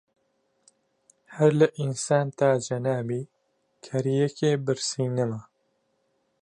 هەر لە ئینسان تا جەنابی کەر یەکێ برسی نەما